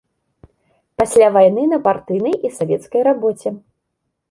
Пасля вайны на партыйнай і савецкай рабоце.